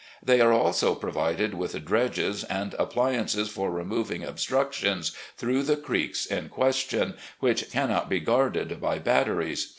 They are also provided with dredges and appliances for removing obstructions through the creeks in question, which can not be guarded by batteries.